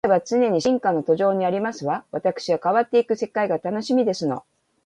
世界は常に進化の途上にありますわ。わたくしは変わっていく世界が楽しみですの